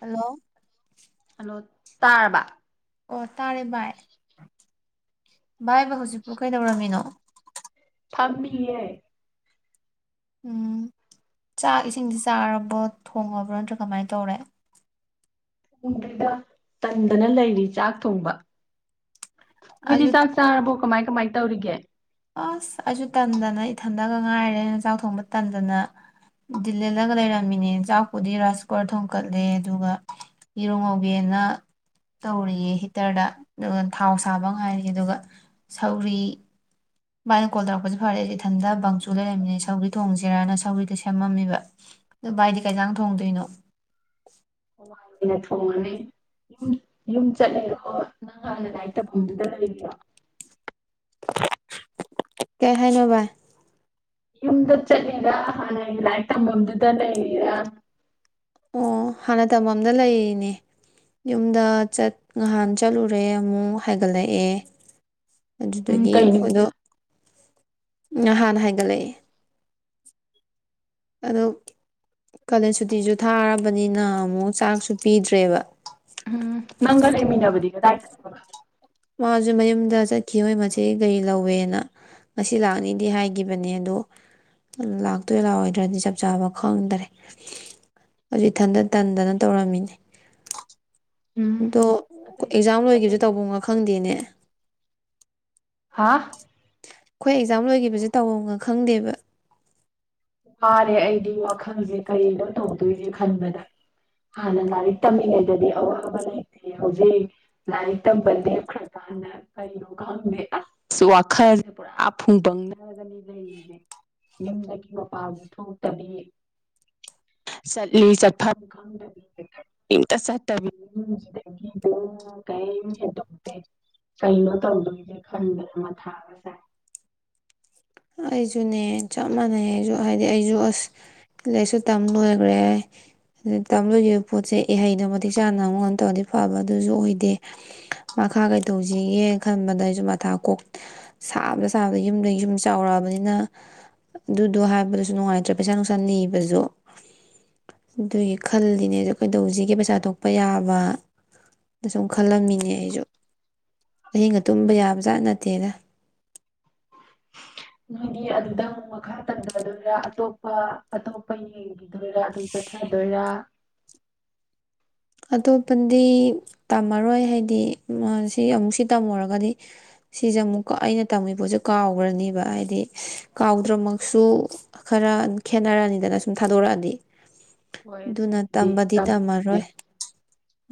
hello ꯇꯥꯔꯕꯥ ꯑꯣ ꯇꯥꯔꯦ ꯚꯥꯏ ꯚꯥꯏꯕꯨ ꯍꯧꯖꯤꯛꯄꯨ ꯀꯩꯗꯧꯔꯝꯃꯤꯅꯣ ꯊꯝꯃꯤ ꯌꯥ ꯎꯝ ꯆꯥꯛ ꯏꯁꯤꯡꯁꯤ ꯆꯥꯔꯕ꯭ꯔꯣ ꯊꯣꯡꯉꯕ꯭ꯔꯣ ꯅꯠꯇ꯭ꯔꯥ ꯀꯃꯥꯏꯅ ꯇꯧꯔꯦ ꯇꯟꯗꯅ ꯂꯩꯔꯤ ꯆꯥꯛ ꯊꯣꯡꯕ ꯅꯣꯏꯗꯤ ꯑꯩꯁꯨ ꯆꯥꯛ ꯇ- ꯆꯥꯔꯕꯣ ꯀꯃꯥꯏ ꯀꯃꯥꯏ ꯇꯧꯔꯤꯒꯦ ꯑꯁ ꯑꯩꯁꯨ ꯇꯟꯗꯅ ꯏꯊꯟꯗꯒ ꯉꯥꯏꯔꯦ ꯆꯥꯛ ꯊꯣꯡꯕ ꯇꯟꯗꯅ ꯗꯤꯜꯍꯜꯂꯒ ꯂꯩꯔꯝꯃꯤꯅꯦ ꯆꯥꯛꯄꯨꯗꯤ ꯔꯥꯏꯁ ꯀꯨꯀꯔ ꯊꯣꯡꯀꯠꯂꯦ ꯑꯗꯨꯒ ꯌꯦꯔꯨ ꯉꯧꯒꯦꯅ ꯇꯧꯔꯤꯌꯦ ꯍꯤꯇꯔꯗ ꯑꯗꯨꯒ ꯊꯥꯎ ꯁꯥꯕ ꯉꯥꯏꯔꯤ ꯑꯗꯨꯒ ꯁꯧꯔꯤ ꯚꯥꯏꯅ ꯀꯣꯜ ꯇꯧꯔꯛꯄꯁꯦ ꯐꯔꯦ ꯏꯊꯟꯇ ꯕꯪꯆꯨ ꯂꯩꯔꯝꯃꯤꯅꯦ ꯁꯧꯒ꯭ꯔꯤ ꯊꯣꯡꯁꯤꯔꯅ ꯁꯧꯔꯤꯗ ꯁꯦꯝꯃꯝꯃꯤꯕ ꯑꯗꯨꯣ ꯚꯥꯏꯗꯤ ꯀꯩꯖꯥꯡ ꯊꯣꯡꯗꯣꯏꯅꯣ ꯍꯅ ꯊꯣꯡꯉꯅꯤ ꯌꯨꯝ ꯌꯨꯝ ꯆꯠꯂꯔꯣ ꯅꯪ ꯍꯥꯟꯅ ꯂꯥꯏꯔꯤꯛ ꯇꯐꯝꯗꯨꯗ ꯂꯩꯕꯤꯔꯣ ꯀꯩ ꯍꯥꯏꯥꯏꯅꯚꯥꯏ ꯌꯨꯝꯗ ꯆꯠꯂꯤꯔ ꯍꯥꯟꯅꯒꯤ ꯂꯥꯏꯔꯤꯛ ꯇꯝꯐꯝꯗꯨꯗ ꯂꯩꯔꯤꯔꯥ ꯑꯣ ꯍꯥꯟꯅ ꯇꯝꯐꯝꯝꯗ ꯂꯩꯔꯤꯅꯦ ꯌꯨꯝꯗ ꯆꯠ ꯉꯍꯥꯟ ꯆꯠꯂꯨꯔꯦ ꯑꯃꯨꯛ ꯍꯥꯏꯒꯠꯂꯛꯑꯦ ꯎꯝ ꯑꯗꯨꯗꯒꯤ ꯀꯩ ꯑꯩꯈꯣꯏꯗꯣ ꯅꯨꯃꯤꯠꯇ ꯅꯍꯥꯟꯅ ꯍꯥꯏꯒꯠꯂꯛꯑꯦ ꯑꯗꯨ ꯀꯥꯂꯦꯟ ꯁꯨꯇꯤꯁꯨ ꯊꯥꯔꯕꯅꯤꯅ ꯑꯃꯨꯛ ꯆꯥꯛꯁꯨ ꯄꯤꯗ꯭ꯔꯦꯕ ꯎꯝ ꯅꯪꯒꯜ ꯑꯦꯃꯤꯅꯕꯒꯗꯥ ꯃꯥꯁꯦ ꯃꯌꯨꯝꯗ ꯆꯠꯈꯤꯍꯣꯏ ꯃꯆꯦ ꯒꯥꯔꯤ ꯂꯧꯋꯦꯅ ꯉꯁꯤ ꯂꯥꯛꯅꯤꯗꯤ ꯍꯥꯏꯈꯤꯕꯅꯦ ꯑꯗꯣ ꯂꯥꯛꯇꯣꯏ ꯂꯥꯛꯑꯣꯏꯗ꯭ꯔꯗꯤ ꯆꯞ ꯆꯥꯕ ꯈꯪꯗ꯭ꯔꯦ ꯖꯨ ꯑꯤꯊꯟꯗ ꯇꯟꯗꯅ ꯇꯧꯔꯝꯃꯤꯅꯦ ꯎꯝ ꯑꯗꯣ ꯑꯇꯩꯗꯤ ꯑꯦꯛꯖꯥꯝ ꯂꯣꯏꯒꯤꯁꯦ ꯑꯇꯩꯗꯤ ꯇꯐꯝ ꯉ ꯈꯪꯗꯦꯅꯦ ꯍꯥꯥ ꯑꯩꯈꯣꯏ ꯑꯦꯛꯖꯥꯝ ꯂꯣꯏꯈꯤꯕꯁꯦ ꯇꯧꯑꯣꯒ ꯈꯪꯗꯦꯕ ꯐꯔꯦ ꯑꯩꯗꯤ ꯋꯥꯈꯜꯁꯦ ꯀꯔꯤꯩꯅꯣ ꯇꯧꯗꯣꯏꯁꯦ ꯈꯟꯕꯗ ꯍꯥꯟꯅ ꯂꯥꯏꯔꯤꯛ ꯇꯝꯃꯤꯉꯩꯗꯗꯤ ꯑꯋꯥꯕ ꯂꯩꯇꯦ ꯍꯧꯖꯤꯛ ꯂꯥꯏꯔꯤꯛ ꯇꯝꯕ ꯂꯦꯈ꯭ꯔꯀꯥꯟꯗ ꯀꯩꯅꯣ ꯈꯪꯗꯦ ꯑꯁ ꯋꯥꯈꯜꯁꯦ ꯄꯨꯔꯥ ꯐꯨꯕꯪꯅꯔꯒꯅꯤ ꯂꯩꯔꯤꯁꯦ ꯌꯨꯝꯗꯒꯤ ꯄꯥꯎꯁꯨ ꯊꯣꯛꯇꯕꯤ ꯆꯠꯂꯤ ꯆꯠꯐꯝ ꯈꯪꯗꯕꯤꯝꯇ ꯆꯠꯇꯕꯤꯁꯤꯗꯒꯤ ꯀꯔꯤꯝ ꯍꯦꯟꯗꯣꯛꯇꯦ ꯀꯩꯅꯣ ꯇꯧꯗꯣꯏꯒꯦ ꯈꯟꯗꯅ ꯑꯃ ꯊꯥꯕꯁꯥꯏ ꯑꯩꯁꯨꯅꯦ ꯆꯞ ꯃꯥꯟꯅꯩ ꯑꯩꯁꯨ ꯍꯥꯏꯗꯤ ꯑꯩꯁꯨ ꯑꯁ ꯂꯥꯏꯔꯤꯛꯁꯨ ꯇꯝ ꯂꯣꯏꯈ꯭ꯔꯦ ꯑꯗꯨ ꯇꯝ ꯂꯣꯏꯈꯤꯕ ꯄꯣꯠꯁꯦ ꯏꯍꯩꯗꯣ ꯃꯇꯤꯛ ꯆꯥꯅ ꯑꯃꯨꯛ ꯇꯧꯔꯗꯤ ꯐꯕ ꯑꯗꯨꯁꯨ ꯑꯣꯏꯗꯦ ꯃꯈꯥ ꯀꯩ ꯇꯧꯁꯤꯒꯦ ꯈꯟꯕꯗ ꯑꯩꯁꯨ ꯃꯊꯥ ꯀꯣꯛ ꯁꯥꯕꯗ ꯁꯥꯕꯗ ꯌꯨꯝꯗ ꯌꯨꯝ ꯆꯥꯎꯔꯛꯑꯕꯅꯤꯅ ꯑꯗꯨꯗꯣ ꯍꯥꯏꯕꯗꯁꯨ ꯅꯨꯡꯉꯥꯏꯇ꯭ꯔꯦ ꯄꯩꯁꯥ ꯅꯨꯡꯁꯥ ꯅꯤꯕꯁꯨ ꯑꯗꯨꯒꯤ ꯈꯜꯂꯤꯅꯦꯁꯨ ꯀꯩꯗꯧꯁꯤꯒꯦ ꯄꯩꯁꯥ ꯊꯣꯛꯄ ꯌꯥꯕ ꯑ ꯁꯨꯝ ꯈꯜꯂꯝꯃꯤꯅꯦ ꯑꯩꯁꯨ ꯑꯍꯤꯡꯒ ꯇꯨꯝꯕ ꯌꯥꯕ ꯖꯥꯠ ꯅꯠꯇꯦ ꯠꯇꯗ ꯅꯣꯏꯗꯤ ꯑꯗꯨꯗ ꯑꯃꯨꯛ ꯃꯈꯥ ꯇꯝꯊꯗꯣꯏꯔꯥ ꯑꯇꯣꯞꯄ ꯑꯇꯣꯞꯄ ꯌꯦꯡꯈꯤꯗꯣꯏꯔꯥ ꯑꯗꯨ ꯆꯠꯊꯗꯣꯏꯔꯥ ꯑꯇꯣꯞꯄꯗꯤ ꯇꯝꯃꯔꯣꯏ ꯍꯥꯏꯗꯤ ꯃꯥꯁꯤ ꯑꯃꯨꯛ ꯁꯤ ꯇꯝꯃꯨꯔꯒꯗꯤ ꯁꯤꯖꯦ ꯑꯃꯨꯛꯀ ꯑꯩꯅ ꯇꯝꯃꯤ ꯄꯣꯠꯁꯦ ꯀꯥꯎꯒ꯭ꯔꯅꯦꯕ ꯍꯥꯏꯗꯤ ꯀꯥꯎꯗ꯭ꯔꯃꯛꯁꯨ ꯈꯔ ꯈꯦꯠꯅꯔꯅꯤꯗꯅ ꯁꯨꯝ ꯊꯥꯗꯣꯔꯛꯑꯗꯤ ꯍꯣꯏ ꯑꯗꯨꯅ ꯑꯗꯨꯕꯨꯗꯤ ꯇꯝꯕꯗꯤ ꯇꯝꯒꯤꯒꯦ ꯇꯝꯃꯔꯣꯏ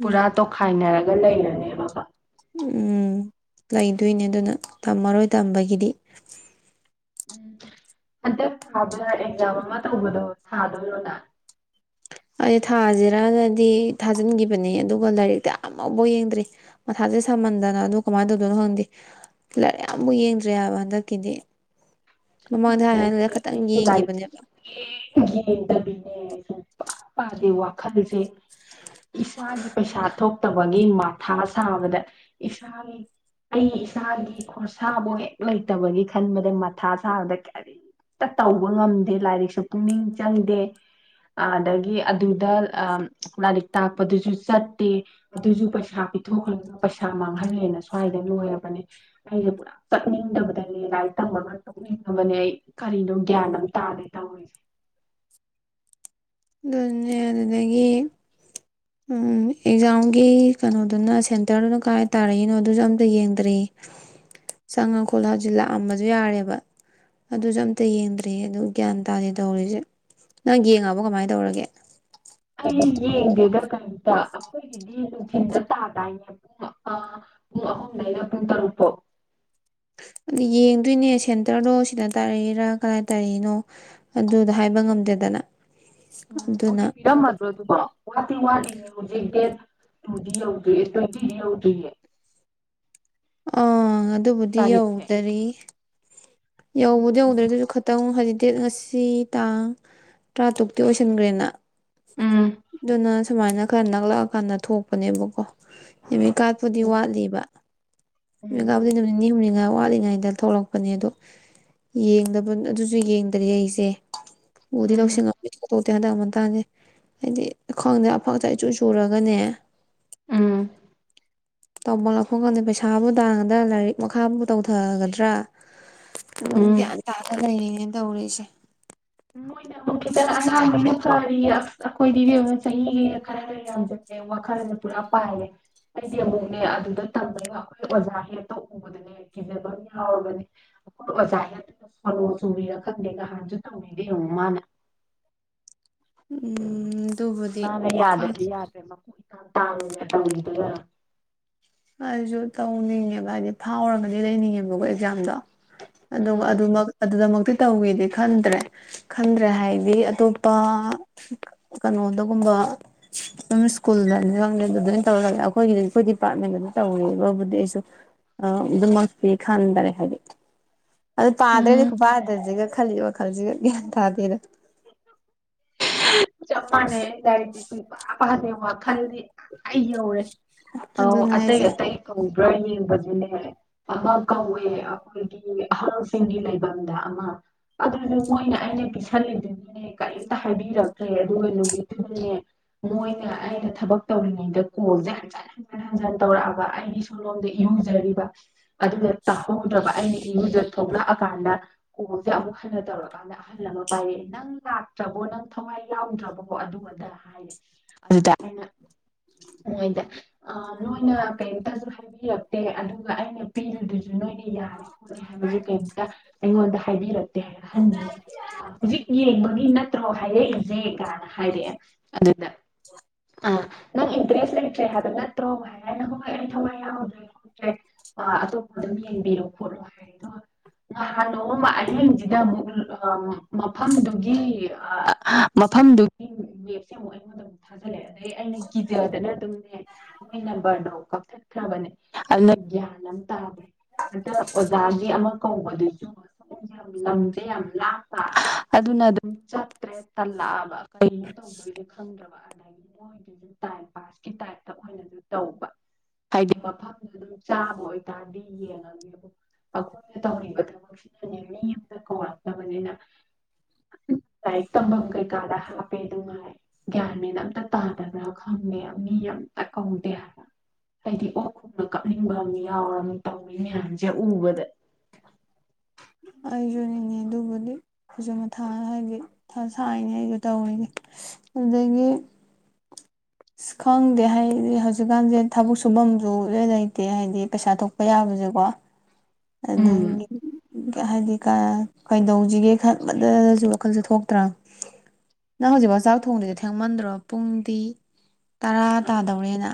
ꯎꯝ ꯇꯣꯈꯥꯏꯅ ꯌꯥꯔꯒ ꯂꯩꯔꯅꯦꯕꯀꯣ ꯎꯝ ꯂꯩꯗꯣꯏꯅꯦ ꯑꯗꯨꯅ ꯇꯝꯃꯔꯣꯏ ꯇꯝꯕꯒꯤꯗꯤ ꯎꯝ ꯍꯟꯗꯛ ꯊꯥꯗ ꯑꯦꯛꯖꯥꯝ ꯑꯃ ꯇꯧꯕꯗꯣ ꯊꯥꯗꯣꯏꯔꯣ ꯅ ꯑꯩꯖꯦ ꯊꯥꯖꯤꯔꯅꯗꯤ ꯊꯥꯖꯤꯟꯒꯤꯕꯅꯦ ꯑꯗꯨꯒ ꯂꯥꯏꯔꯤꯛꯇꯤ ꯑꯃꯕꯧ ꯌꯦꯡꯗ꯭ꯔꯤ ꯃꯊꯥꯖꯦ ꯁꯥꯃꯟꯗꯅ ꯑꯗꯣ ꯀꯃꯥꯏ ꯇꯧꯗꯣꯏꯅꯣ ꯈꯪꯗꯦ ꯂꯥꯏꯔꯤꯛ ꯑꯝꯕꯧ ꯌꯦꯡꯗ꯭ꯔꯤ ꯍꯥꯏꯕ ꯍꯟꯗꯛꯀꯤꯗꯤ ꯆꯞ ꯃꯃꯥꯡꯗ ꯍꯥꯏ ꯍꯥꯏꯅ ꯃꯥꯟꯅꯔꯤꯅꯦ ꯈꯇꯪ ꯑꯩꯖꯨ ꯂꯥꯔꯤꯛ ꯌꯦꯡꯈꯤꯕꯅꯦꯕ ꯁꯨꯌꯦꯡ ꯌꯦꯡꯗꯕꯤꯅꯦ ꯁꯨꯡꯄꯥ ꯄꯥꯗꯦ ꯋꯥꯈꯜꯖꯦ ꯏꯁꯥꯒꯤ ꯄꯩꯁꯥ ꯊꯣꯛ ꯇꯕꯒꯤ ꯃꯊꯥ ꯁꯥꯕꯗ ꯏꯁꯥꯒꯤ ꯑꯩ ꯏꯁꯥꯒꯤ ꯈꯣꯔꯁꯥꯕꯨ ꯍꯦꯛ ꯂꯩꯇꯕꯒꯤ ꯈꯟꯕꯗ ꯃ ꯃꯊꯥ ꯁꯥꯕꯗ ꯀꯔꯤꯝꯇ ꯇꯧꯕ ꯉꯝꯗꯦ ꯂꯥꯏꯔꯤꯛꯁꯨ ꯄꯨꯛꯅꯤꯡ ꯆꯪꯗꯦ ꯑꯥꯗꯒꯤ ꯑꯗꯨꯗ ꯂꯥꯏꯔꯤꯛ ꯇꯥꯛꯄꯗꯨꯖꯨ ꯆꯠꯇꯦ ꯑꯗꯨꯖꯨ ꯄꯩꯁꯥ ꯄꯤꯊꯣꯛꯈ꯭ꯔꯒ ꯄꯩꯁꯥ ꯃꯥꯡꯍꯜꯂꯦꯅ ꯁ꯭ꯋꯥꯏꯗ ꯂꯣꯏꯔꯕꯅꯦ ꯑꯩꯖꯦ ꯄꯨꯔꯥ ꯆꯠꯅꯤꯡꯗꯕꯗꯅꯦ ꯂꯥꯏꯔꯤꯛ ꯇꯝꯕꯒ ꯇꯣꯛꯅꯤꯡꯉꯕꯅꯦ ꯑꯩ ꯀꯔꯤꯅꯣ ꯒ꯭ꯌꯥꯟ ꯑꯃ ꯇꯥꯗꯦ ꯇꯧꯔꯤꯖꯦ ꯑꯗꯨꯅꯦ ꯑꯗꯨꯗꯒꯤ ꯑꯝ ꯑꯦꯛꯖꯥꯝꯒꯤ ꯀꯅꯣꯗꯨꯅ ꯁꯦꯟꯇꯔꯗꯨꯅ ꯀꯥꯏ ꯇꯥꯔꯛꯏꯅꯣ ꯑꯗꯨꯁꯨ ꯑꯝꯇ ꯌꯦꯡꯗ꯭ꯔꯤ ꯆꯪꯉ ꯈꯣꯠꯂ ꯍꯧꯖꯤꯛ ꯂꯥꯛꯑꯝꯕꯁꯨ ꯌꯥꯔꯦꯕ ꯑꯗꯨꯖꯨ ꯑꯝꯇ ꯌꯦꯡꯗ꯭ꯔꯤ ꯑꯗꯨ ꯒ꯭ꯌꯥꯟ ꯇꯥꯗꯦ ꯇꯧꯔꯤꯖꯦ ꯅꯪ ꯌꯦꯡꯉꯕꯣ ꯀꯃꯥꯏ ꯇꯧꯔꯒꯦ ꯑꯩ ꯌꯦꯡꯗꯦꯗ ꯀꯩꯝꯇ ꯑꯩꯈꯣꯏꯒꯤꯗꯤ ꯅꯨꯡꯊꯤꯟꯗ ꯇꯥꯗꯥꯏꯅꯦ ꯑꯥ ꯄꯨꯡ ꯑꯍꯨꯝꯗꯩꯅ ꯄꯨꯡ ꯇꯔꯨꯛ ꯐꯣꯎ ꯅ ꯌꯦꯡꯗꯨꯢꯅꯦ ꯁꯦꯟꯇꯔꯗꯣ ꯁꯤꯗ ꯇꯥꯔꯛꯏꯔꯥ ꯀꯗꯥꯏ ꯇꯥꯔꯛꯏꯅꯣ ꯑꯗꯨꯗ ꯍꯥꯏꯕ ꯉꯝꯗꯦꯗꯅ ꯎꯝ ꯍꯧꯖꯤꯛ ꯑꯗꯨꯅ ꯄꯤꯔꯝꯃꯗ꯭ꯔꯣ ꯑꯗꯨꯕꯣ ꯋꯥꯠꯇꯤ ꯋꯥꯠꯂꯤꯌꯦ ꯍꯧꯖꯤꯛ ꯗꯦꯠ ꯇꯨꯗꯤ ꯌꯧꯗ꯭ꯔꯤ ꯑꯦ ꯇ꯭ꯋꯦꯟꯇꯤꯗꯤ ꯌꯧꯗ꯭ꯔꯤꯌꯦ ꯑꯪ ꯑꯗꯨꯕꯨꯗꯤ ꯇꯥꯔꯤꯛꯁꯦ ꯌꯧꯗꯔꯤ ꯌꯧꯕꯨꯗꯤ ꯎꯝ ꯌꯧꯗ꯭ꯔꯤ ꯑꯗꯨ ꯖꯨ ꯈꯇꯪ ꯍꯥꯏꯗꯤ ꯗꯦꯠ ꯉꯁꯤ ꯇꯥꯡ ꯇ꯭ꯔꯥꯇꯔꯨꯛꯇꯤ ꯑꯣꯏꯁꯟꯒ꯭ꯔꯦꯗꯅ ꯎꯝ ꯁꯨꯃꯥꯏꯅ ꯈꯔ ꯅꯛꯂꯑꯀꯥꯟꯗ ꯊꯣꯛꯄꯅꯦꯕꯀꯣ ꯅꯨꯃꯤꯠ ꯀꯥꯠꯄꯨꯗꯤ ꯋꯥꯠꯂꯤꯕ ꯎꯝ ꯌꯦꯡꯉꯑꯕꯅꯦ ꯅꯨꯃꯤꯠ ꯅꯤꯅꯤ ꯍꯨꯝꯅꯤ ꯉꯥꯛ ꯋꯥꯠꯂꯤꯉꯩꯗ ꯊꯣꯛꯂꯛꯄꯅꯦ ꯑꯗꯣ ꯌꯦꯡꯗꯕ ꯑꯗꯨꯖꯨ ꯌꯦꯡꯗ꯭ꯔꯤ ꯑꯩꯖꯦ ꯎꯗꯤ ꯎꯝ ꯂꯧꯁꯜꯂꯣ ꯋꯤꯠ ꯐꯣꯇꯣ ꯗꯨ ꯍꯟꯗꯛ ꯃꯇꯥꯡꯅꯤ ꯍꯥꯏꯗꯤ ꯈꯪꯗꯦ ꯑꯐꯛ ꯑꯆꯥꯏ ꯏꯆꯨ ꯆꯨꯔꯒꯅꯦ ꯎꯝ ꯇꯧꯕꯝ ꯂꯥꯛꯐꯝ ꯈꯪꯗꯦ ꯄꯩꯁ ꯊꯥꯕꯨ ꯊꯥꯒꯗ꯭ꯔꯥ ꯂꯥꯏꯔꯤꯛ ꯃꯈꯥꯕꯨ ꯇꯧꯊꯒꯗ꯭ꯔꯥ ꯕꯛ ꯎꯝ ꯒ꯭ꯌꯥꯟ ꯇꯥꯗ ꯂꯩꯔꯦ ꯅ ꯇꯧꯔꯤꯁꯦ ꯅꯣꯏꯅ ꯑꯃꯨꯛ ꯈꯤꯇꯪ ꯑꯉꯥꯡꯅꯤꯅ ꯐꯔꯤꯌꯦ ꯑꯩꯈꯣꯏꯗꯤ ꯏꯕꯦꯝꯃ ꯆꯍꯤ ꯈꯔꯅ ꯌꯥꯝꯖꯜꯂꯦ ꯋꯥꯈꯜꯖꯦ ꯄꯨꯔꯥ ꯄꯥꯏꯔꯦ ꯑꯩꯗꯤ ꯑꯃꯨꯛꯅꯦ ꯑꯗꯨꯗ ꯇꯝꯕꯩ ꯋꯥꯈꯜ ꯑꯣꯖꯥ ꯍꯦꯠꯇꯣ ꯎꯕꯗꯅꯦ ꯀꯤꯖꯕ ꯑꯃ ꯌꯥꯎꯔꯕꯅꯦ ꯑꯩꯈꯣꯏ ꯑꯣꯖꯥ ꯍꯦꯠꯇꯨꯅ ꯁꯣꯅꯣ ꯆꯨꯕꯤꯔ ꯈꯪꯗꯦ ꯉꯍꯥꯟꯖꯨ ꯇꯧꯅꯤꯡꯗꯦ ꯌꯦꯡꯉꯨ ꯃꯥꯅ ꯎꯝꯝꯝ ꯃꯥꯅ ꯌꯥꯗꯗꯤ ꯌꯥꯗ꯭ꯔꯦ ꯃꯀꯣꯛ ꯏꯇꯥꯡ ꯇꯥꯡꯉ ꯇꯧꯔꯤꯗꯨꯒ ꯑꯩꯁꯨ ꯇꯧꯅꯤꯡꯉꯦꯕ ꯍꯥꯏꯗꯤ ꯐꯥꯎꯔꯒꯗꯤ ꯂꯩꯅꯤꯡꯉꯦꯕꯀꯣ ꯑꯦꯛꯖꯥꯝꯗꯣ ꯑꯗꯨꯒ ꯑꯗꯨꯃꯛ ꯑꯗꯨꯗꯃꯛꯇꯤ ꯇꯧꯒꯗꯤ ꯈꯟꯗ꯭ꯔꯦ ꯈꯟꯗ꯭ꯔꯦ ꯍꯥꯏꯗꯤ ꯑꯇꯣꯞꯄ ꯀꯩꯅꯣꯗꯒꯨꯝꯕ ꯑꯗꯨꯝ ꯁ꯭ꯀꯨꯜꯗꯅꯤ ꯈꯪꯅꯤ ꯑꯗꯨ ꯑꯗꯨꯃꯅ ꯇꯧꯔ ꯑꯩꯈꯣꯏꯒꯤꯗꯤ ꯑꯩꯈꯣꯏ ꯗꯤꯄꯥꯔꯠꯃꯦꯟꯗꯨ ꯇꯧꯔꯤꯕꯕꯨꯗꯤ ꯑꯩꯁꯨ ꯑ ꯑꯗꯨꯝꯃꯛ ꯇꯤ ꯈꯟꯗꯔꯦ ꯍꯥꯏꯗꯤ ꯑꯗꯨ ꯄꯥꯗ꯭ꯔꯦ ꯈꯨ ꯄꯥꯗꯖꯤꯒ ꯈꯜꯂꯤꯕ ꯋꯥꯈꯜꯁꯤꯒ ꯒ꯭ꯌꯥꯟ ꯇꯥꯗꯦꯗ ꯆꯞꯄꯥꯟꯅꯦꯗꯥꯔ ꯁꯨꯝꯄꯥ ꯄꯗꯦ ꯋꯥꯈꯜꯗꯤ ꯑꯩ ꯌꯧꯔꯦ ꯑ ꯑꯗꯨꯅ ꯍꯥꯏꯁꯦ ꯑꯇꯩꯩ ꯑꯇꯩ ꯀꯧ ꯈ꯭ꯔ ꯌꯦꯡꯕꯕꯁꯤꯅꯦ ꯑꯃ ꯀꯧꯋꯦ ꯑꯩꯈꯣꯏꯒꯤ ꯑꯍꯜꯁꯤꯡꯒꯤ ꯂꯩꯐꯝꯗ ꯑꯃ ꯑꯗꯨꯁꯨ ꯃꯣꯏꯅ ꯑꯩꯅ ꯄꯤꯁꯜꯂꯤꯗꯨꯅꯤꯅꯦ ꯀꯔꯤꯝꯇ ꯍꯥꯏꯕꯤꯔꯛꯇ꯭ꯔꯦ ꯑꯗꯨꯒ ꯅꯨꯃꯤꯠꯇꯨꯗꯅꯦ ꯃꯣꯏꯅ ꯑꯩꯅ ꯊꯕꯛ ꯇꯧꯔꯤꯉꯩꯗ ꯀꯣꯜꯁꯦ ꯍꯟꯖꯤꯟ ꯍꯟꯖꯤꯟ ꯍꯟꯖꯤꯟ ꯇꯧꯔꯛꯑꯕ ꯑꯩꯒꯤ ꯁꯣꯂꯣꯝꯗ ꯏꯔꯨꯖꯔꯤꯕ ꯑꯗꯨꯗ ꯇꯥꯍꯧꯗ꯭ꯔꯕ ꯑꯩꯅ ꯏꯔꯨꯖ ꯊꯣꯛꯂꯛꯑꯀꯥꯟꯗ ꯀꯣꯜꯁꯦ ꯑꯃꯨꯛ ꯍꯟꯅ ꯇꯧꯔꯀꯥꯟꯗ ꯑꯍꯜ ꯑꯃ ꯄꯥꯏꯔꯛꯑꯦ ꯅꯪ ꯂꯥꯛꯇ꯭ꯔꯕ ꯅꯪ ꯊꯋꯥꯏ ꯌꯥꯎꯗ꯭ꯔꯕꯀꯣ ꯑꯗꯨꯗ ꯍꯥꯏꯔꯦ ꯑꯗꯨꯗ ꯑꯩꯅ ꯅꯣꯏꯗ ꯅꯣꯏꯅ ꯀꯩꯝꯇꯁꯨ ꯍꯥꯏꯕꯤꯔꯛꯇꯦ ꯑꯗꯨꯒ ꯑꯩꯅ ꯄꯤꯔꯤꯗꯨꯁꯨ ꯅꯣꯏꯅ ꯌꯥꯔꯦ ꯈꯣꯠꯂꯦ ꯍꯥꯏꯕꯁꯨ ꯀꯩꯝꯇ ꯑꯩꯉꯣꯟꯗ ꯍꯥꯏꯕꯤꯔꯛꯇꯦ ꯍꯥꯏ ꯑꯍꯟꯗꯨꯅ ꯍꯧꯖꯤꯛ ꯌꯦꯡꯕꯒꯤ ꯅꯠꯇ꯭ꯔꯣ ꯍꯥꯏꯔꯛꯏꯁꯦ ꯀꯅ ꯍꯥꯏꯔꯛꯑꯦ ꯑꯗꯨꯗ ꯑꯥ ꯅꯪ ꯏꯟꯇꯔꯦꯁ ꯂꯩꯇ꯭ꯔꯦ ꯍꯥꯏꯕ ꯅꯠꯇ꯭ꯔꯣ ꯍꯥꯏꯔꯅ ꯍꯣꯏ ꯑꯩ ꯊꯋꯥꯏ ꯌꯥꯎꯗ꯭ꯔꯦ ꯈꯗ꯭ꯔꯦ ꯑꯇꯣꯞꯄ ꯑꯗꯨꯝ ꯌꯦꯡꯕꯤꯔꯣ ꯈꯣꯠꯂꯣ ꯍꯥꯏꯗ ꯅꯍꯥꯟ ꯅꯣꯡꯃ ꯑꯍꯤꯡꯁꯤꯗ ꯑꯃꯨꯛ ꯃꯐꯝꯗꯨꯒꯤ ꯃꯐꯝꯗꯨꯒꯤ ꯋꯦꯞꯁꯦ ꯑꯃꯨꯛ ꯑꯩꯉꯣꯟꯗ ꯑꯃꯨꯛ ꯊꯥꯖꯜꯂꯛꯑꯦ ꯑꯗꯩ ꯑꯩꯅ ꯒꯤꯖꯔꯗꯅ ꯑꯗꯨꯝꯅꯦ ꯃꯣꯏ ꯅꯝꯕꯔꯗꯣ ꯀꯛꯊꯠꯈ꯭ꯔꯕꯅꯦ ꯑꯗꯨꯅ ꯒ꯭ꯌꯥꯟ ꯑꯃ ꯑꯗ ꯑꯣꯖ ꯑꯃ ꯀꯧꯕꯗꯨꯁꯨ ꯂꯝꯁꯦ ꯌꯥꯝ ꯂꯥꯄ ꯑꯗꯨꯅ ꯑꯗꯨꯝ ꯇ꯭ꯔꯦ ꯇꯜꯂꯛꯑꯕ ꯀꯔꯤꯅꯣ ꯇꯧꯗꯣꯏꯁꯦ ꯈꯪꯗ꯭ꯔꯕ ꯑꯗꯒꯤ ꯃꯣꯏꯒꯤꯁꯨ ꯇꯥꯏꯝ ꯄꯥꯁꯀꯤ ꯇꯥꯏꯞꯇ ꯑꯣꯏꯅꯁꯨ ꯇꯧꯕ ꯍꯥꯏꯗꯤ ꯃꯐꯝꯗ ꯑꯗꯨꯝ ꯆꯥꯕ ꯑꯣꯏꯇꯥꯔꯗꯤ ꯌꯦꯡꯉꯒꯦꯕꯨ ꯑꯩꯈꯣꯏꯅ ꯇꯧꯔꯤꯕ ꯊꯕꯛꯁꯤꯅꯅꯦ ꯃꯤ ꯑꯃꯇ ꯀꯧꯔꯛꯇꯕꯅꯤꯅ ꯂꯥꯏꯔꯤꯛ ꯇꯝꯐꯝ ꯀꯩꯀꯥꯗ ꯍꯥꯞꯄꯦ ꯅꯨꯡꯉꯥꯏ ꯒ꯭ꯌꯥꯟ ꯃꯦꯟ ꯑꯝꯇ ꯇꯥꯗꯕ꯭ꯔꯥ ꯈꯪꯉꯦ ꯃꯤ ꯑꯇ ꯀꯧꯗꯦ ꯍꯥꯏꯕ ꯑꯩꯗꯤ ꯑꯣꯈꯣꯝꯒꯩ ꯀꯞꯅꯤꯡꯕ ꯑꯃ ꯌꯥꯎꯔꯝꯅꯤ ꯇꯧ ꯑꯩꯅꯖ ꯎꯕꯗ ꯑꯩ ꯖꯨꯅꯤꯅꯦ ꯑꯗꯨꯕꯨꯗꯤ ꯈꯨꯁꯨꯨ ꯃꯊꯥ ꯍꯥꯏꯗꯤ ꯁꯥꯏꯅꯤ ꯑꯩꯁꯨ ꯇꯧꯔꯤꯅꯦ ꯑꯗꯒꯤ ꯑꯁ ꯈꯪꯗꯦ ꯍꯥꯏꯗꯤ ꯍꯧꯖꯤꯛꯀꯥꯟꯁꯦ ꯊꯕꯛ ꯁꯨꯐꯝꯁꯨ ꯏꯂꯩ ꯂꯩꯇꯦ ꯍꯥꯏꯕꯗꯤ ꯄꯩꯁꯥ ꯊꯣꯛꯄ ꯌꯥꯕꯁꯦꯀꯣ ꯎꯝ ꯑꯗꯒꯤ ꯍꯥꯏꯗꯤ ꯀꯩꯗꯧꯖꯤꯒꯦ ꯈꯟꯕꯗꯁꯨ ꯋꯥꯈꯜꯁꯨ ꯊꯣꯛꯇ꯭ꯔꯥ ꯅꯪ ꯍꯧꯖꯤꯛꯐꯥꯎ ꯆꯥꯛ ꯊꯣꯡꯗꯗ ꯊꯦꯡꯃꯟꯗ꯭ꯔꯣ ꯄꯨꯡꯗꯤ ꯇꯔꯥ ꯇꯥꯗꯧꯔꯦꯅ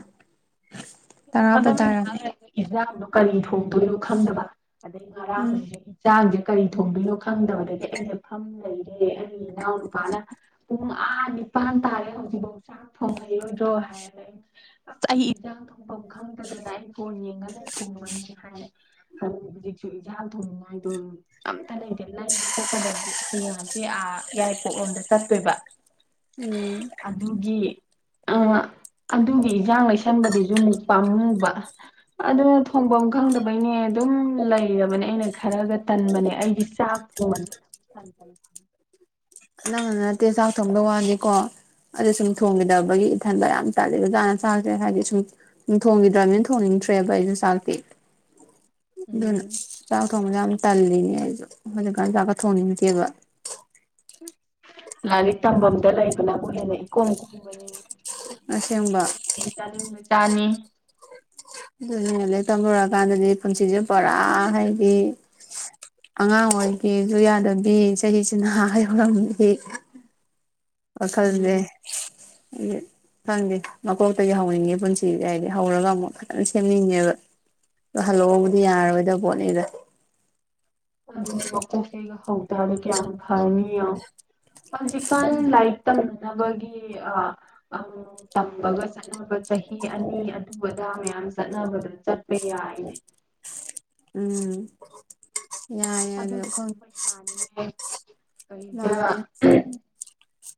ꯊꯣꯡꯉ ꯇꯔꯥꯕꯨ ꯗꯕꯅꯦꯉꯥꯏꯍꯥꯛ ꯇꯥꯔꯝꯃꯦ ꯂꯩꯔ ꯏꯅꯖꯥꯡꯗꯣ ꯀꯔꯤ ꯊꯣꯡꯗꯣꯏꯅꯣ ꯈꯪꯗꯕ ꯑꯗꯩ ꯎꯝ ꯉꯔꯥꯡꯁꯤꯁꯨ ꯍꯤꯟꯖꯥꯡꯁꯦ ꯀꯔꯤ ꯊꯣꯡꯗꯣꯏꯅꯣ ꯈꯪꯗꯕꯗꯒꯤ ꯑꯩꯁꯦ ꯐꯝ ꯂꯩꯔꯦ ꯑꯩꯒꯤ ꯏꯅꯥꯎ ꯅꯨꯄꯥꯅ ꯄꯨꯡ ꯑ ꯅꯤꯄꯥꯟ ꯇꯥꯔꯦ ꯍꯧꯖꯤꯛꯐꯧ ꯆꯥꯛ ꯊꯣꯡꯍꯩꯔꯣꯏꯗ꯭ꯔꯣ ꯍꯥꯏꯔꯒ ꯑꯩ ꯑꯁ ꯑꯩ ꯏꯟꯖꯥꯡ ꯊꯣ ꯄꯐ ꯈꯪꯗ ꯗꯅꯥ ꯑꯩꯗꯤ ꯐꯣꯟ ꯌꯦꯡꯉꯒ ꯂꯩ ꯊꯣꯡꯒꯅꯤꯁꯦ ꯍꯥꯏꯔꯦ ꯈꯔ ꯍꯧꯖꯤꯛꯁꯨ ꯏꯟꯖꯥꯡ ꯊꯣꯡꯉꯥꯏꯗꯣ ꯄꯩꯁꯥ ꯂꯩꯇꯦ ꯂꯩꯕ ꯆꯠꯀꯗꯕꯁꯨ ꯍꯌꯦꯡ ꯍꯆꯤꯠ ꯑꯥ ꯌꯥꯏꯄꯣꯛꯂꯣꯝꯗ ꯆꯠꯇꯣꯏꯕ ꯎꯝ ꯑꯗꯨꯒꯤ ꯑ ꯑꯗꯨꯒꯤ ꯏꯟꯖꯥꯡ ꯂꯩꯁꯟꯕꯗꯨꯁꯨ ꯑꯗꯨꯛ ꯄꯥꯝꯃꯨꯕ ꯑꯗꯨꯅ ꯊꯣꯡꯐꯝ ꯈꯪꯗꯕꯩꯅꯦ ꯑꯗꯨꯝ ꯂꯩꯔꯕꯅꯦ ꯑꯩꯅ ꯈꯔꯒ ꯇꯟꯕꯅꯦ ꯑꯩꯗꯤ ꯆꯥꯛ ꯊꯣꯡꯃꯟꯗꯅ ꯅꯪ ꯅꯠꯇ ꯆꯥꯛꯊꯣꯡ ꯋꯥꯅꯤꯀꯣ ꯑꯗ ꯁꯨꯝ ꯊꯣꯡꯈꯤꯗꯕꯒꯤ ꯏꯊꯟꯕ ꯌꯥꯝ ꯇꯥꯂꯤꯟꯆꯠꯅꯤ ꯆꯥꯛꯁꯦ ꯍꯥꯏꯗꯤ ꯁꯨꯝ ꯊꯣꯡꯈꯤꯗ꯭ꯔꯕꯅꯤꯅ ꯊꯣꯡꯅꯤꯡꯗ꯭ꯔꯦꯕ ꯑꯩꯁꯨ ꯆꯥꯛꯇꯤ ꯑꯗꯨꯅ ꯎꯝ ꯆꯥꯎ ꯊꯣꯡꯁꯨ ꯌꯥꯝ ꯇꯜꯂꯤꯅꯦ ꯑꯩꯁꯨ ꯍꯧꯖꯤꯛꯀꯥꯟ ꯆꯥꯛꯀ ꯊꯣꯡꯅꯤꯡꯗꯦꯕ ꯂꯥꯏꯔꯤꯛ ꯇꯝꯐꯝꯝꯗ ꯂꯩꯕꯅꯕꯨ ꯍꯦꯅ ꯏꯀꯣ ꯀꯣꯝꯕꯅꯤꯅꯦ ꯑꯁꯦꯡꯕ [inaudible] ꯆꯥꯅꯤ ꯑꯗꯨꯅꯦꯅ ꯂꯔꯤ ꯇꯝꯂꯨꯔꯀꯥꯟꯗꯗꯤ ꯄꯨꯟꯁꯤꯁꯦ ꯄꯨꯔꯥ ꯍꯥꯏꯗꯤ ꯑꯉꯥꯡ ꯑꯣꯏꯒꯦꯁꯨ ꯌꯥꯗꯕꯤ ꯆꯍꯤꯁꯤꯅ ꯑ ꯌꯧꯔꯝꯕꯤ ꯋꯥꯈꯜꯖꯦ ꯎꯝ ꯈꯪꯗꯦ ꯃꯀꯣꯛꯇꯒꯤ ꯍꯧꯅꯤꯡꯉꯦ ꯄꯨꯟꯁꯤꯗꯤ ꯍꯥꯏꯗꯤ ꯍꯧꯔꯒ ꯑꯃꯨꯛ ꯐꯖꯅ ꯁꯦꯝꯅꯤꯡꯉꯦꯕ ꯑꯗ ꯍꯜꯂꯛꯑꯣꯕꯨꯗꯤ ꯌꯥꯔꯔꯣꯏꯗꯕ ꯄꯣꯠꯅꯤꯗ ꯑꯗꯨꯗꯤ ꯃꯀꯣꯛ ꯇꯩꯒ ꯍꯧꯇꯔꯗꯤ ꯀꯌꯥꯝ ꯐꯅꯤ ꯌꯦꯡꯉꯣ ꯍꯧꯖꯤꯆꯛꯟ ꯂꯥꯏ ꯇꯡ ꯆꯠꯅꯕꯒꯤ ꯇꯝꯕꯒ ꯆꯠꯅꯕ ꯆꯍꯤ ꯑꯅꯤ ꯑꯗꯨ ꯑꯗꯥ ꯃꯌꯥꯝ ꯆꯠꯅꯕꯗ ꯆꯠꯄ ꯌꯥꯏꯅꯦ ꯎꯝ ꯌꯥꯏ ꯌꯥꯏ ꯑꯗꯨ ꯑꯗꯣ ꯄꯩꯁꯥꯅꯤꯅꯦ ꯀꯩꯗ ꯃꯥꯅꯦ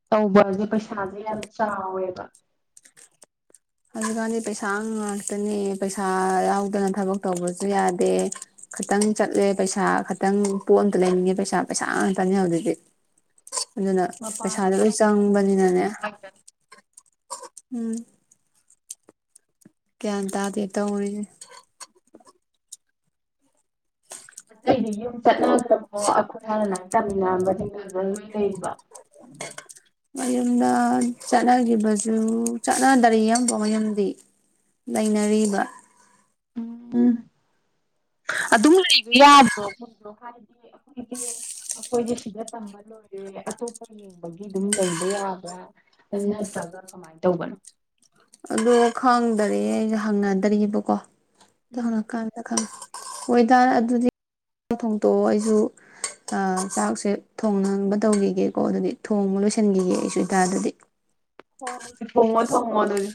ꯇꯧꯕꯁꯦ ꯄꯩꯁꯥꯁꯦ ꯌꯥꯝ ꯆꯥꯎꯋꯦꯕ ꯍꯧꯖꯤꯛꯀꯥꯟꯗꯤ ꯄꯩꯁꯥ ꯉꯥꯛꯇꯅꯦ ꯄꯩꯁꯥ ꯌꯥꯎꯗꯅ ꯊꯕꯛ ꯇꯧꯕꯁꯨ ꯌꯥꯗꯦ ꯈꯤꯇꯪ ꯆꯠꯂꯦ ꯄꯩꯁꯥ ꯈꯇꯪ ꯄꯣꯠ ꯑꯝꯇ ꯂꯩꯅꯤꯡꯉꯦ ꯄꯩꯁꯥ ꯄꯩꯁꯥ ꯉꯥꯛꯇꯅꯦ ꯍꯧꯖꯤꯛꯇꯤ ꯑꯗꯨꯅ ꯄꯩꯁꯥꯗꯣ ꯃꯄꯥꯟꯁꯨ ꯂꯣꯏ ꯍꯦꯛ ꯊꯣꯛꯈ꯭ꯔꯕ ꯆꯪꯕꯅꯤꯅꯅꯦ ꯄꯩꯁꯥ ꯉꯥꯛꯇ ꯎꯝ ꯒꯤꯌꯥꯟ ꯇꯗꯦ ꯇꯧꯔꯤꯖꯦ ꯑꯇꯩꯗꯤ ꯌꯨꯝ ꯆꯠꯅꯒꯔꯕꯣ ꯑꯩꯈꯣꯏ ꯍꯥꯟꯅ ꯂꯥꯏꯔꯤ ꯇꯥꯃꯤꯟꯅꯔꯝꯕꯁꯤꯡꯗꯤ ꯂꯣꯏ ꯂꯩꯔꯤꯕꯣ ꯃꯌꯨꯝꯗ ꯆꯠꯅꯒꯤꯕꯁꯨ ꯆꯠꯅꯗꯔꯤ ꯑꯃꯐꯩ ꯌꯨꯝꯗꯤ ꯂꯩꯅꯔꯤꯕ ꯎꯝ ꯑꯗꯨꯝ ꯂꯩꯕ ꯌꯥꯕ꯭ꯔꯣꯈꯣꯏꯣ ꯍꯥꯏꯗꯤ ꯑꯩꯈꯣꯏꯁꯦ ꯑꯩꯈꯣꯏꯁꯦ ꯁꯤꯗ ꯇꯝꯕ ꯂꯣꯏꯔꯦ ꯑꯇꯣꯞꯄ ꯌꯦꯡꯕꯒꯤ ꯑꯗꯨꯝ ꯂꯩꯕ ꯌꯥꯕ꯭ꯔꯥ ꯅꯠꯇ꯭ꯔꯒ ꯀꯃꯥꯏ ꯇꯧꯕꯅꯣ ꯑꯗꯣ ꯈꯪꯗꯔꯦ ꯑꯩꯁꯦ ꯍꯪꯅꯗꯔꯤꯕꯀꯣ ꯎꯝ [unintelligible] ꯍꯣꯏ ꯏꯇꯥꯔ ꯑꯗꯨꯗꯤ ꯆꯥꯛ ꯊꯣꯡꯇꯣꯛꯑꯣ ꯑꯩꯁꯨ ꯆꯥꯛꯁꯦ ꯊꯣꯡꯕ ꯇꯧꯈꯤꯒꯦꯀꯣ ꯑꯗꯨꯗꯤ ꯊꯣꯡꯕ ꯂꯣꯏꯁꯤꯟꯈꯤꯒꯦ ꯑꯩꯁꯨ ꯏꯇꯥ ꯑꯗꯨꯗꯤ ꯍꯣꯏ ꯍꯣꯏ ꯊꯣꯡꯉꯣ ꯊꯣꯡꯉꯣ ꯑꯗꯨꯗꯤ